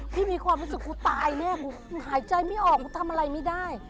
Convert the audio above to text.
พี่มีความรู้สึกว่าตายเนี่ยหายใจไม่ออกทำอะไรไม่ได้